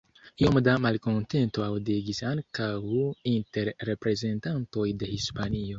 Iom da malkontento aŭdiĝis ankaŭ inter reprezentantoj de Hispanio.